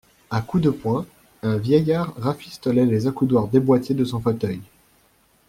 A coups de poing, un vieillard rafistolait les accoudoirs déboîtés de son fauteuil.